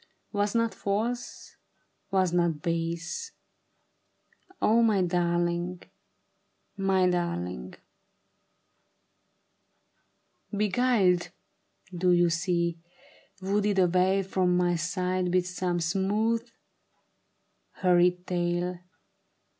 Was not false, was not base, O my darling ! my darling ! Beguiled, do you see — Wooed away from my side with some smooth, hur ried tale.